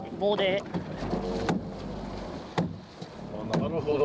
なるほど。